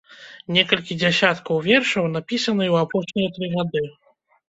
Некалькі дзясяткаў вершаў напісаныя ў апошнія тры гады.